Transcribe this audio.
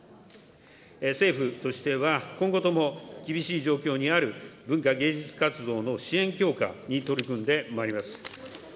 政府としては、今後とも厳しい状況にある文化芸術活動の支援強化に取り組んでまいります。